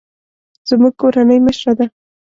زموږ کورنۍ مشره ده